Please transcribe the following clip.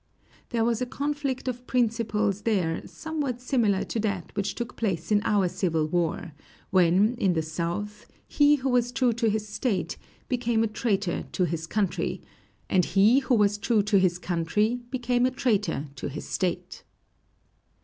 There was a conflict of principles there somewhat similar to that which took place in our Civil War, when, in the South, he who was true to his State became a traitor to his country, and he who was true to his country became a traitor to his State.